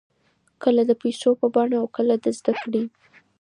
کله د پیسو په بڼه او کله د زده کړې.